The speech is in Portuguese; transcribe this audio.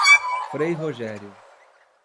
Frei Rogério